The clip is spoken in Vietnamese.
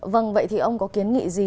vâng vậy thì ông có kiến nghị gì